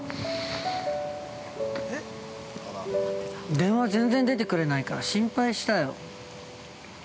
◆電話全然出てくれないから心配したよ。